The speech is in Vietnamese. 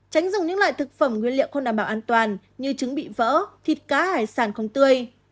tránh dùng những loại thực phẩm nguyên liệu không đảm bảo an toàn như trứng bị vỡ thịt cá hải sản không tươi